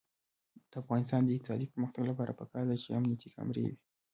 د افغانستان د اقتصادي پرمختګ لپاره پکار ده چې امنیتي کامرې وي.